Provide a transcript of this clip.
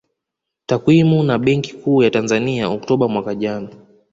Takwimu na Benki Kuu ya Tanzania Oktoba mwaka jana